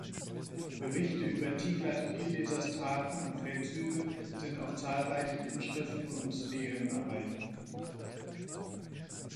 Berichte über Tiglat-Pilesers Taten und Feldzüge sind auf zahlreichen Inschriften und Stelen erhalten.